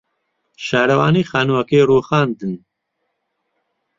شارەوانی خانووەکەی رووخاندن.